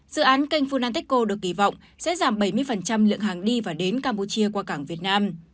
dự án kênh vunanteco được kỳ vọng sẽ giảm bảy mươi lượng hàng đi và đến campuchia qua cảng việt nam